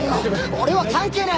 俺は関係ない！